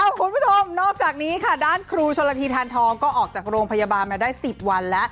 คุณผู้ชมนอกจากนี้ค่ะด้านครูชนละทีทานทองก็ออกจากโรงพยาบาลมาได้๑๐วันแล้ว